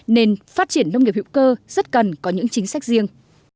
nên phát triển nông nghiệp hữu cơ rất cần có những chính sách riêng